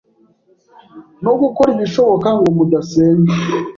no gukora ibishoboka ngo mudasenya.